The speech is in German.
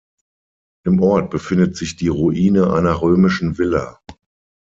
Im Ort befindet sich die Ruine einer römischen Villa.